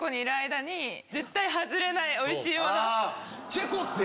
チェコって。